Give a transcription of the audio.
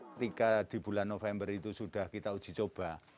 ketika di bulan november itu sudah kita uji coba